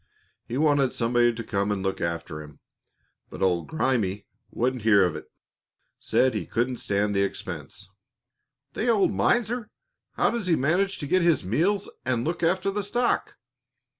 He wanted somebody to come and look after him, but old Grimey wouldn't hear of it. Said he couldn't stand the expense." "The old miser! How does he manage to get his meals and look after the stock?"